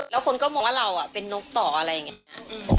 แล้วคนก็มองว่าเราเป็นนกต่ออะไรอย่างนี้